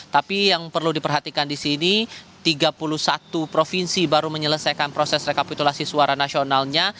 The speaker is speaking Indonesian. tapi yang perlu diperhatikan di sini tiga puluh satu provinsi baru menyelesaikan proses rekapitulasi suara nasionalnya